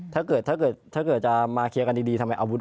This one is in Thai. ถ้าเกิดจะมาเคลียร์กันดีทำไม